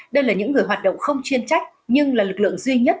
đây là những người hoạt động không chuyên trách nhưng là lực lượng duy nhất